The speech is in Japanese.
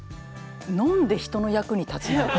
飲んで人の役に立つなんて。